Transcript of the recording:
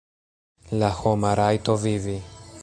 La homa rajto vivi.